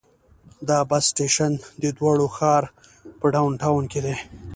دا بس سټیشن د دې واړه ښار په ډاون ټاون کې دی.